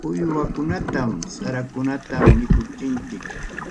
Uywakunatam sarakunata mikuchinchik.